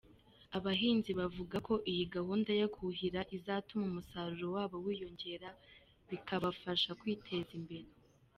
Abahinzi bavuga ko iyi gahunda yo kuhira izatuma umusaruro wabo wiyongera bikabafasha kwiteza imbere.